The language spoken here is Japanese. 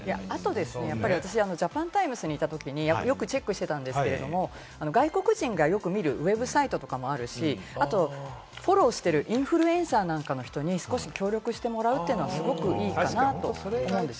私、ジャパンタイムズにいたときによくチェックしていたんですけれども、外国人がよく見るＷｅｂサイトとかもあるし、あとフォローしているインフルエンサーなんかに、少し協力してもらうというのは、すごくいいかなと思うんです。